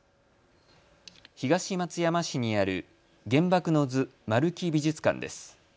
東松山市にある原爆の図丸木美術館です。